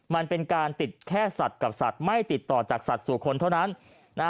มันเป็นการติดแค่สัตว์กับสัตว์ไม่ติดต่อจากสัตว์สู่คนเท่านั้นนะฮะ